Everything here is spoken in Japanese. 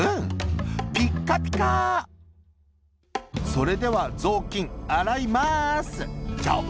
「それではぞうきんあらいまーすじゃぶ